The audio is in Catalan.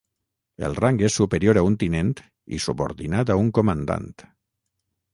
El rang és superior a un tinent i subordinat a un comandant.